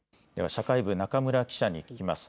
社会部、中村記者に聞きます。